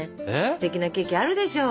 ステキなケーキあるでしょ？